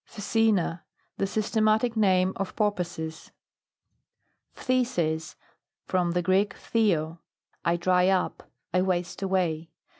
PHCECENA. The systematic name of porpoises. PHTHISIS. From the Greek, phthed, I dry up, I waste away.